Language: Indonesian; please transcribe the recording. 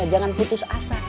jangan putus asa